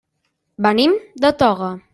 Venim de Toga.